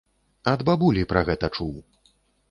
Ад бабулі пра гэта чуў.